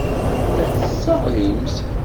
Ad t-tesseɣlimt.